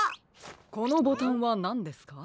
このボタンはなんですか？